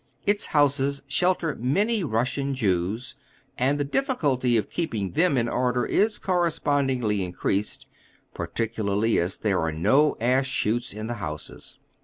Its houses shelter many Bussian Jews, and the difficulty of keeping tliem in order is correspondingly increased, particularly as there are no ash chutes in the houses.